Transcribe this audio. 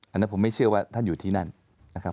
อันนั้นผมไม่เชื่อว่าท่านอยู่ที่นั่นนะครับ